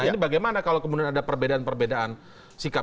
ini bagaimana kalau kemudian ada perbedaan perbedaan sikap